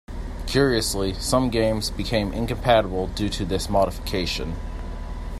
Curiously, some games became incompatible due to this modification.